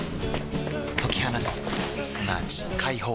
解き放つすなわち解放